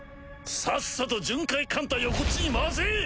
さっさと巡回艦隊をこっちに回せ！